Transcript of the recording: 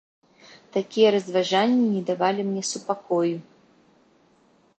Такія разважанні не давалі мне супакою.